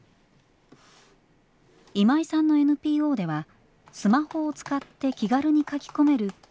今井さんのＮＰＯではスマホを使って気軽に書き込める相談窓口を設けています。